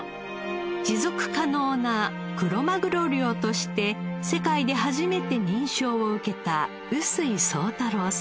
持続可能なクロマグロ漁として世界で初めて認証を受けた臼井壯太朗さん。